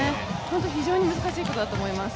非常に難しいことだと思います。